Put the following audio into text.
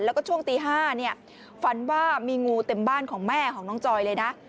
แล้วก็ช่วงตี๕เนี่ยฝันว่ามีงูเต็มบ้านของแม่ของน้องจอยเลยนะ